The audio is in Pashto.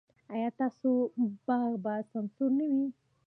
ایا ستاسو باغ به سمسور نه وي؟